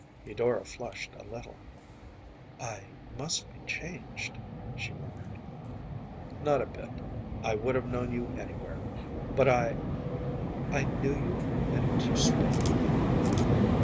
Eudora flushed a little. “I must be changed,‚ÄĚ she murmured. “Not a bit. I would have known you anywhere. But I ‚ÄĚ “I knew you the minute you spoke.